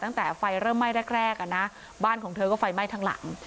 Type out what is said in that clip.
ตั้งแต่ไฟเริ่มไหม้แรกแรกอ่ะนะบ้านของเธอก็ไฟไหม้ทั้งหลัง